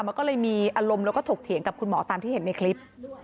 มันก็เลยมีอารมณ์แล้วก็ถกเถียงกับคุณหมอตามที่เห็นในคลิป